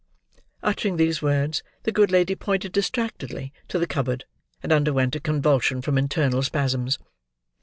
Uttering these words, the good lady pointed, distractedly, to the cupboard, and underwent a convulsion from internal spasms.